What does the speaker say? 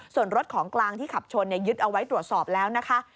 ส่วนรถของกลางที่ขับชนยึดเอาไว้ตรวจสอบแล้วนะคะ